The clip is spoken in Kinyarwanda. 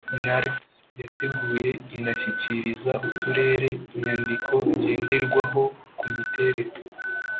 Nurc yateguye inashyikiriza uturere inyandiko ngenderwaho ku miterere